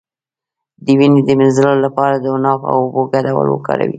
د وینې د مینځلو لپاره د عناب او اوبو ګډول وکاروئ